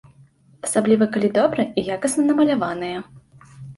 Асабліва калі добра і якасна намаляваныя.